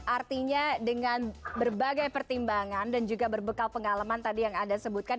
artinya dengan berbagai pertimbangan dan juga berbekal pengalaman tadi yang anda sebutkan